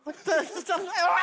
おい！